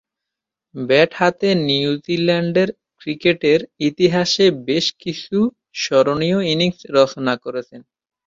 Bat হাতে নিউজিল্যান্ডের ক্রিকেটের ইতিহাসে বেশ কিছু স্মরণীয় ইনিংস রচনা করেছেন।